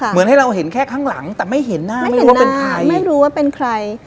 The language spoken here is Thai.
เหมือนให้เราเห็นแค่ข้างหลังแต่ไม่เห็นหน้าไม่รู้ว่าเป็นใคร